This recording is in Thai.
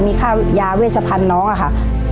มีค่ายาเวชพันธ์น้องอะค่ะ